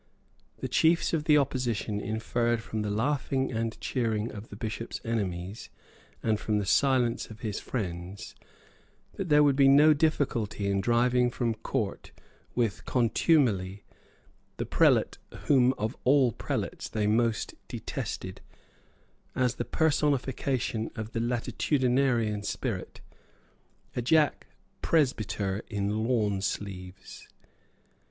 The chiefs of the opposition inferred from the laughing and cheering of the Bishop's enemies, and from the silence of his friends, that there would be no difficulty in driving from Court, with contumely, the prelate whom of all prelates they most detested, as the personification of the latitudinarian spirit, a Jack Presbyter in lawn sleeves.